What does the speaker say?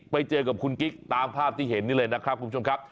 ไปเจอกับคุณกิ๊กตามภาพที่เห็นนี่เลยนะครับคุณผู้ชมครับ